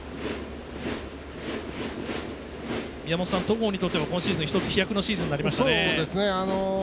戸郷にとっても今シーズン１つ飛躍のシーズンになりましたね。